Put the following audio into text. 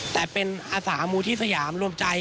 แต่เป็นอาสามูลที่สยามรวมใจ